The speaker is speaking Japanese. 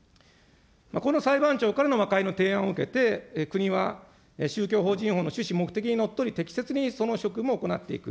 この裁判長からの和解の提案を受けて、国は、宗教法人法の趣旨目的にのっとり、適切にその職務を行っていく。